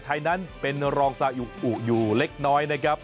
ไทยนั้นเป็นรองซาอุอยู่เล็กน้อยนะครับ